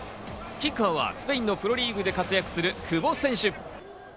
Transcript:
キッカーはスペインのプロリーグで活躍する久保選手。